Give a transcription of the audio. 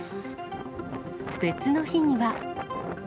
別の日には。